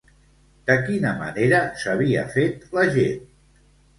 De quina manera s'havia fet la gent?